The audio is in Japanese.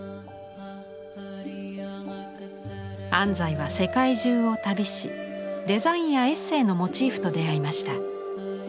安西は世界中を旅しデザインやエッセーのモチーフと出会いました。